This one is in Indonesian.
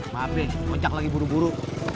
maaf ya ojak lagi buru buru